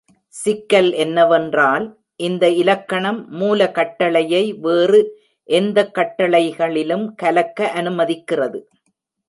சிக்கல் என்னவென்றால், இந்த இலக்கணம் மூல கட்டளையை வேறு எந்த கட்டளைகளிலும் கலக்க அனுமதிக்கிறது.